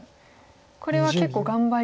これは結構頑張り屋な。